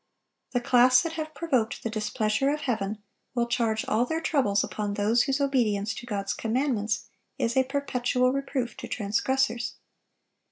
The class that have provoked the displeasure of Heaven will charge all their troubles upon those whose obedience to God's commandments is a perpetual reproof to transgressors.